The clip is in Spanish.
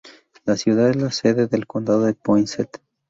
La ciudad es la sede del condado de Poinsett.